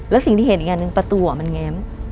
แล้วสิ่งที่เห็นอีกอย่างหนึ่งประตูมันแง้ม